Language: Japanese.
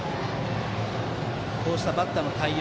こうしたバッターの対応